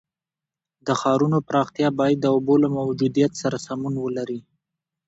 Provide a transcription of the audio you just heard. د ښارونو پراختیا باید د اوبو له موجودیت سره سمون ولري.